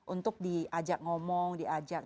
untuk diajak ngomong diajak